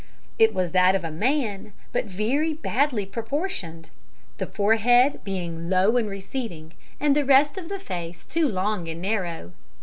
It was that of a man, but very badly proportioned the forehead being low and receding, and the rest of the face too long and narrow.